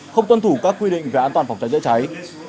không tuân thủ các quy định về an toàn phòng cháy chữa cháy